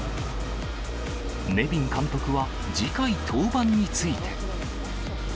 ネビン監督は、次回登板について。